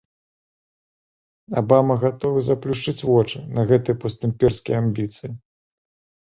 Абама гатовы заплюшчыць вочы на гэтыя постімперскія амбіцыі.